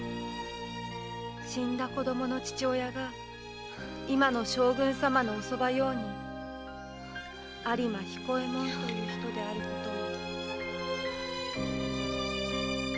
死んだ子どもの父親が今の将軍様のお側用人の有馬彦右衛門という人であることも。